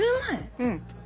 うん。